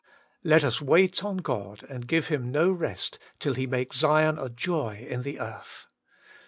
Let us wait on God, and give Him no rest till He make Zion a joy in the earth.